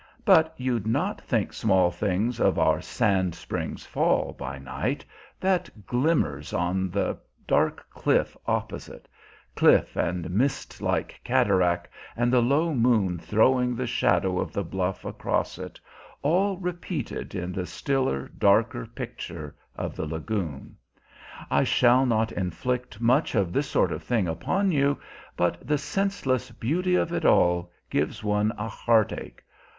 But you'd not think small things of our Sand Springs Fall by night, that glimmers on the dark cliff opposite cliff, and mist like cataract, and the low moon throwing the shadow of the bluff across it, all repeated in the stiller, darker picture of the lagoon. I shall not inflict much of this sort of thing upon you; but the senseless beauty of it all gives one a heartache.